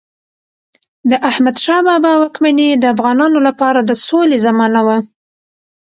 د احمدشاه بابا واکمني د افغانانو لپاره د سولې زمانه وه.